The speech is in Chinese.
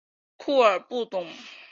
库尔布宗。